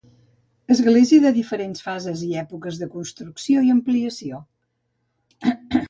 Església de diferents fases i èpoques de construcció i ampliació.